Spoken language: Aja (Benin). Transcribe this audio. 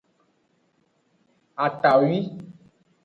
Atawi.